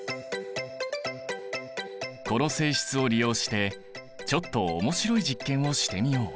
この性質を利用してちょっと面白い実験をしてみよう。